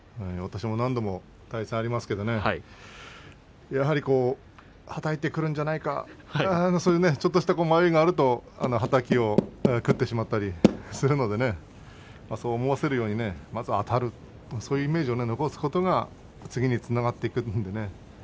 私も何度も対戦がありますけどねはたいてくるんじゃないかなそういうちょっとした迷いがあるとはたきを食ってしまったりするのでそう思わせるようにまずはそういうイメージを残すことが次につながっていくんです。